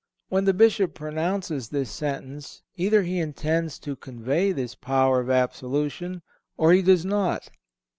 When the Bishop pronounces this sentence, either he intends to convey this power of absolution, or he does not.